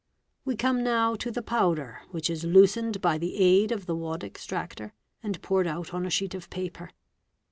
We come | now to the powder, which is loosened by the aid of the wad extractor and poured out on a sheet of paper.